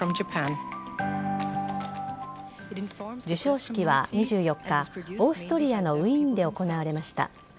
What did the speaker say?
授賞式は２４日オーストリアのウィーンで行われました。